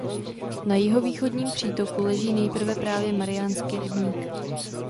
Na jihovýchodním přítoku leží nejprve právě Mariánský rybník.